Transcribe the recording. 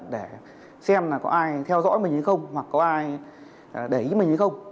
để xem là có ai theo dõi mình hay không hoặc có ai để ý mình hay không